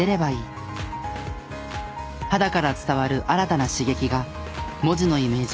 肌から伝わる新たな刺激が文字のイメージを脳に刻みます。